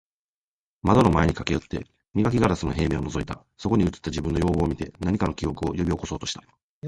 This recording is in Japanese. ……窓の前に駈け寄って、磨硝子の平面を覗いた。そこに映った自分の容貌を見て、何かの記憶を喚び起そうとした。